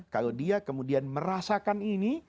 kalau dia kemudian merasakan ini